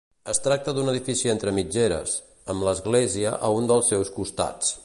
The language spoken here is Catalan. Es tracta d'un edifici entre mitgeres, amb l'església a un dels seus costats.